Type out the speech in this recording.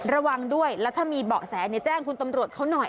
ระวังด้วยแล้วถ้ามีเบาะแสแจ้งคุณตำรวจเขาหน่อย